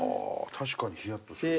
確かにヒヤッとするな。